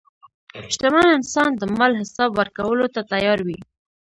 شتمن انسان د مال حساب ورکولو ته تیار وي.